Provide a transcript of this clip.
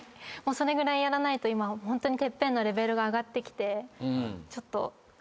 それぐらいやらないと今ホントにＴＥＰＰＥＮのレベルが上がってきてちょっと。